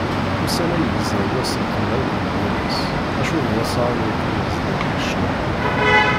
Ussan-a, i yezri wass n tmenɣiwt n Lwennas, acu n wassaɣen i aken-yezdin deg ccna?